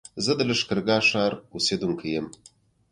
زه د لښکرګاه ښار اوسېدونکی يم